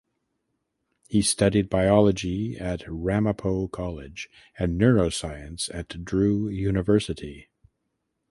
He studied biology at Ramapo College and neuroscience at Drew University.